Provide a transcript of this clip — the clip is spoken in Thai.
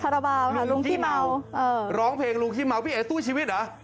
ราบาลน่ะลุงขี้เมาเออร้องเพลงลุงขี้เมาพี่เอ๋สู้ชีวิตเหรอ